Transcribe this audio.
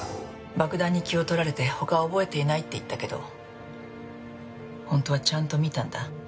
爆弾に気を取られて他は覚えていないって言ったけど本当はちゃんと見たんだ。